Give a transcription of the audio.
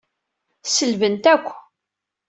Selbent akk.